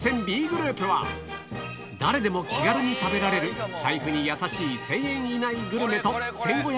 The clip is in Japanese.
Ｂグループは誰でも気軽に食べられる財布にやさしい１０００円以内グルメと１５００円